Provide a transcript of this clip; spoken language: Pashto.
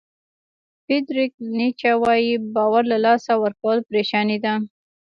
فریدریک نیچه وایي باور له لاسه ورکول پریشاني ده.